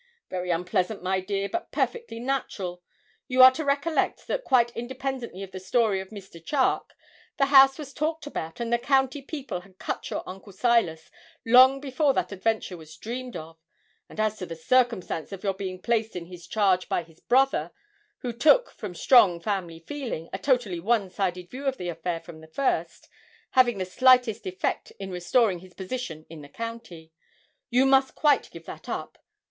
'Very unpleasant, my dear, but perfectly natural. You are to recollect that quite independently of the story of Mr. Charke, the house was talked about, and the county people had cut your uncle Silas long before that adventure was dreamed of; and as to the circumstance of your being placed in his charge by his brother, who took, from strong family feeling, a totally one sided view of the affair from the first, having the slightest effect in restoring his position in the county, you must quite give that up.